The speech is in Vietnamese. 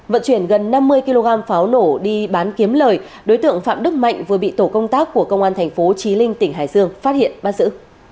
vận chuyển gần năm mươi kg pháo nổ đi bán kiếm lời đối tượng phạm đức mạnh vừa bị tổ công tác của công an thành phố trí linh tỉnh hải dương phát hiện bắt giữ